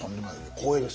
光栄です。